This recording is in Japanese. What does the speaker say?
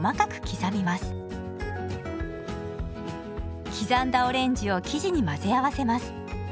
刻んだオレンジを生地に混ぜ合わせます。